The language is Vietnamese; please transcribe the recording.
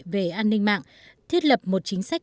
về an ninh mạng thiết lập một chính sách